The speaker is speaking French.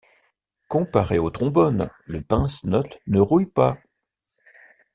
Comparé au trombone, le pince-notes ne rouille pas.